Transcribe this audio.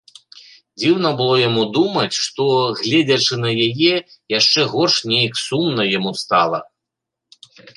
Дзіўна было яму думаць, што, гледзячы на яе, яшчэ горш нейк сумна яму стала.